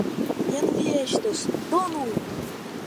Jen vi estas; donu!